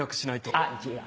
あっ！